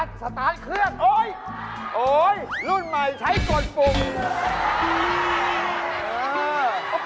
จะมาซื้ออุปกรณ์ล้างรถ